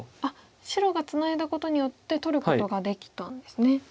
白がツナいだことによって取ることができたんですね。